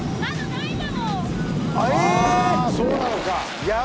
あそうなのかえ！